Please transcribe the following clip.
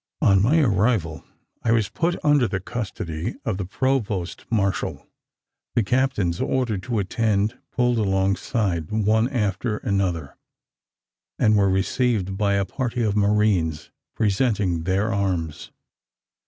On my arrival, I was put under the custody of the provost martial. The captains ordered to attend pulled alongside one after another, and were received by a party of marines, presenting their arms.